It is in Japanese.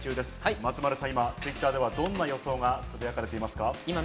松丸さん、今、Ｔｗｉｔｔｅｒではどんな予想がつぶやかれていますか？